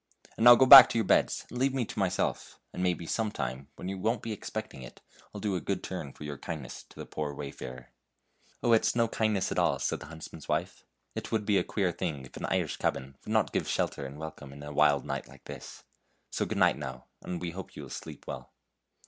And now go back to your beds and leave me to myself, and maybe some time when you won't be expect ing it I'll do a good turn for your kindness to the poor wayfarer." " Oh, it's no kindness at all," said the hunts man's wife. " It would be a queer thing if an Irish cabin would not give shelter and welcome in a wild night like this. So good night, now, and we hope you will sleep well."